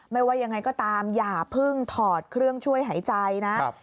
ไม่ว่ายังไงก็ตามอย่าเพิ่งถอดเครื่องช่วยหายใจนะ